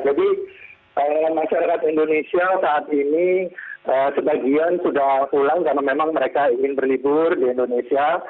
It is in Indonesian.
jadi masyarakat indonesia saat ini sebagian sudah pulang karena memang mereka ingin berlibur di indonesia